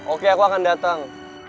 oke aku akan datang